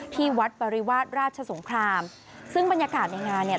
ที่วัดปริวาสราชสงครามซึ่งบรรยากาศในงานเนี่ย